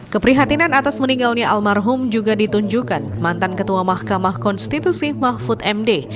keprihatinan atas meninggalnya almarhum juga ditunjukkan mantan ketua mahkamah konstitusi mahfud md